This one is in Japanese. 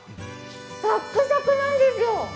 サックサクなんですよ。